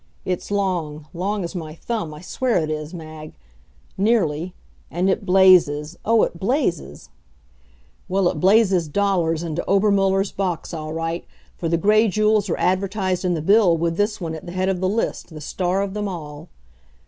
It's long long as my thumb I swear it is, Mag nearly, and it blazes, oh, it blazes Well, it blazes dollars into Obermuller's box all right, for the Gray jewels are advertised in the bill with this one at the head of the list, the star of them all.